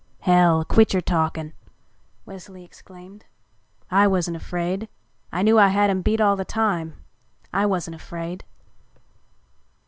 "Hell, quit your talking," Wesley exclaimed. "I wasn't afraid, I knew I had 'em beat all the time. I wasn't afraid."